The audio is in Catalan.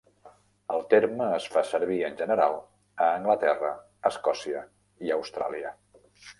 El terme es fa servir en general a Anglaterra, Escòcia i Austràlia.